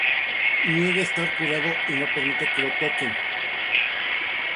Niega estar curado y no permite que lo toquen.